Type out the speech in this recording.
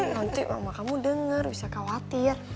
nanti mama kamu dengar bisa khawatir